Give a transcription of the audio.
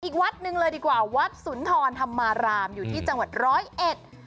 อีกวัดหนึ่งเลยดีกว่าวัดสุนทรธรรมารามอยู่ที่จังหวัดร้อยเอ็ด